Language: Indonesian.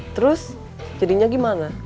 terus jadinya gimana